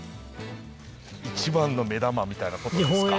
一番の目玉みたいなことですか？